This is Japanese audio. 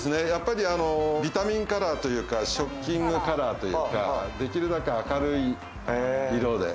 ビタミンカラーというか、ショッキングカラーというか、できるだけ明るい色で。